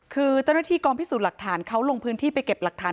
คือเจ้าหน้าที่กองพิสูจน์หลักฐานเขาลงพื้นที่ไปเก็บหลักฐาน